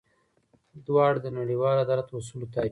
دواړه د نړیوال عدالت اصولو تابع دي.